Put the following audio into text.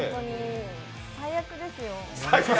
最悪ですよ。